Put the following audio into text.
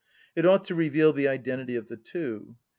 It ought to reveal the identity of the two.